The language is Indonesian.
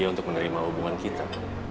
untuk menerima hubungan kita